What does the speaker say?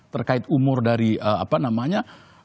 terkait umur dari apa namanya